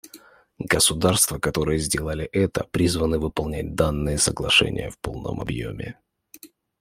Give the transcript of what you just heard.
Государства, которые сделали это, призваны выполнять данные соглашения в полном объеме.